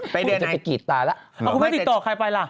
ไปเดือนไหนจะไปกีดตาแหละเอ้าคุณคุณกำลังติดต่อใครไปล่ะ